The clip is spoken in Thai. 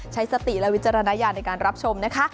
ใช้สติและวิจารณญาณในการรับชมนะคะ